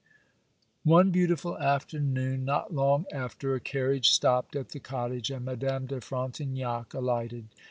One beautiful afternoon, not long after, a carriage stopped at the cottage, and Madame de Frontignac alighted.